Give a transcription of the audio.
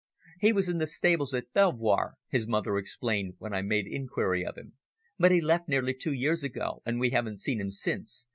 "He was in the stables at Belvoir," his mother explained when I made inquiry of him. "But he left nearly two years ago, and we haven't seen him since.